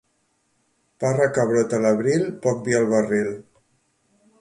Parra que brota a l'abril, poc vi al barril.